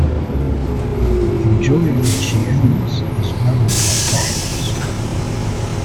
Enjoy your achievements as well as your plans.